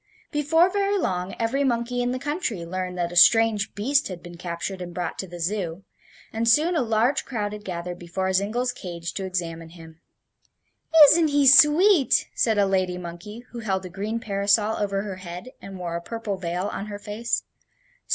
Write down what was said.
Before very long every monkey in the country learned that a strange beast had been captured and brought to the Zoo; and soon a large crowd had gathered before Zingle's cage to examine him. "Isn't he sweet!" said a lady monkey who held a green parasol over her head and wore a purple veil on her face.